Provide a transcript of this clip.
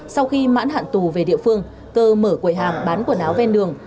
sau khi mãn hạn tù về địa phương cơ mở quầy hàng bán quần áo ven đường